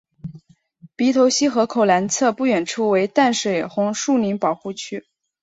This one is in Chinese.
鼻头溪河口南侧不远处为淡水红树林保护区。